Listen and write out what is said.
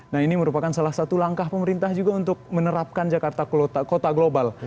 nah ini merupakan salah satu langkah pemerintah juga untuk menerapkan jakarta kota global